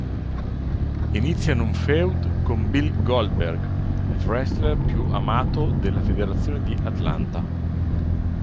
Iniziano un feud con Bill Goldberg, il wrestler più amato della federazione di Atlanta.